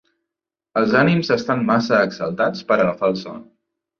Els ànims estan massa exaltats per agafar el son.